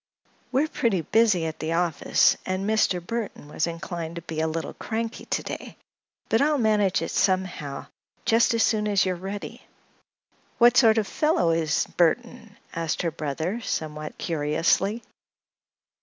"We're pretty busy at the office and Mr. Burthon was inclined to be a little cranky to day; but I'll manage it somehow, just as soon as you are ready." "What sort of a fellow is Burthon?" asked her brother, somewhat curiously.